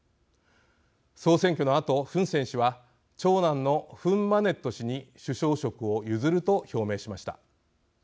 総選挙のあとフン・セン氏は長男のフン・マネット氏に首相職を譲ると表明しました。